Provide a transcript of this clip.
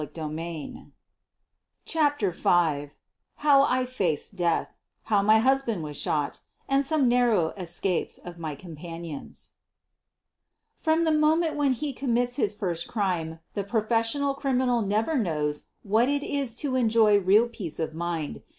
118 SOPHIE LYONS CHAPTER V HOW I FACED DEATH, HOW MY HUSBAND WAS SHOT, AND SOME NARROW ESCAPES OP MY COMPANIONS From the moment when he commits his first crime the professional criminal never knows what it is to enjoy real peace of mind.